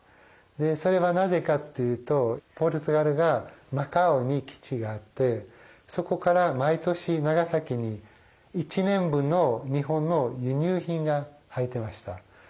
それはなぜかっていうとポルトガルがマカオに基地があってそこから毎年長崎に１年分の日本の輸入品が入ってました。